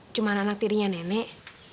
cuma anak tirinya nenek